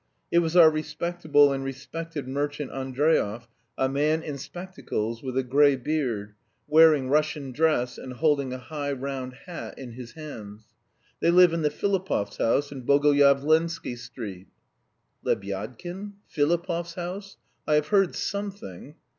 It was our respectable and respected merchant Andreev, a man in spectacles with a grey beard, wearing Russian dress and holding a high round hat in his hands. "They live in the Filipovs' house in Bogoyavlensky Street." "Lebyadkin? Filipovs' house? I have heard something....